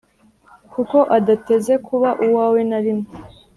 kuko adateze kuba uwawe narimwe